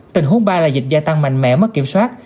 tình huống ba là dịch gia tăng mạnh mẽ mất kiểm soát